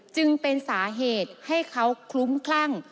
จึงเป็นสาเหตุให้เขาคลุ้มคลั่ง